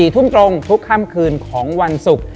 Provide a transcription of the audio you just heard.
๔ทุ่มตรงทุกค่ำคืนของวันศุกร์